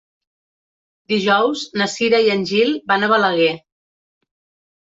Dijous na Cira i en Gil van a Balaguer.